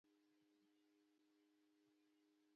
دریمه د امریکا د میخانیکي انجینری ټولنه وه.